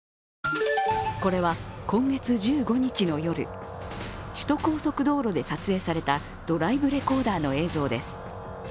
これは今月１５日の夜、首都高速道路で撮影されたドライブレコーダーの映像です。